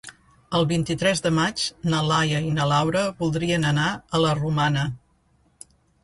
El vint-i-tres de maig na Laia i na Laura voldrien anar a la Romana.